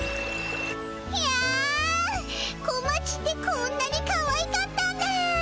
やん小町ってこんなにかわいかったんだ♥